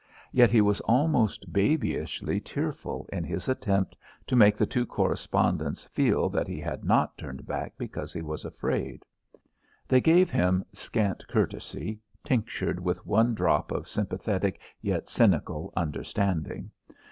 Yet he was almost babyishly tearful in his attempt to make the two correspondents feel that he had not turned back because he was afraid. They gave him scant courtesy, tinctured with one drop of sympathetic yet cynical understanding.